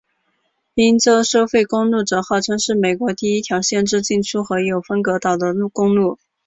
宾州收费公路则号称是美国第一条限制进出和有分隔岛的公路。